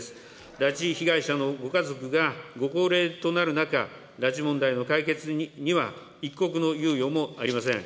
拉致被害者のご家族がご高齢となる中、拉致問題の解決には、一刻の猶予もありません。